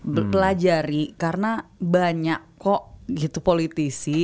belajari karena banyak kok gitu politisi